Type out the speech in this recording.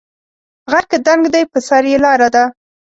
غر که دنګ دی په سر یې لار ده